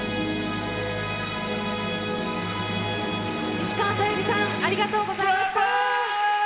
石川さゆりさんありがとうございました。